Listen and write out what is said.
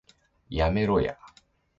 やめろや